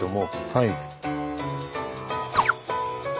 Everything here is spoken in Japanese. はい。